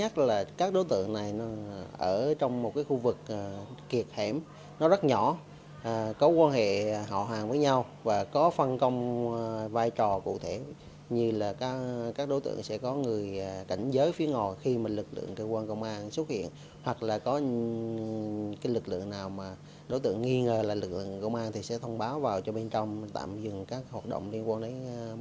tạm dừng các hoạt động liên quan đến mùa bán ma túy